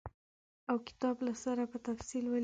او کتاب له سره په تفصیل ولیکي.